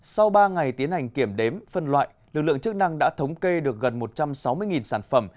sau ba ngày tiến hành kiểm đếm phân loại lực lượng chức năng đã thống kê được gần một trăm sáu mươi sản phẩm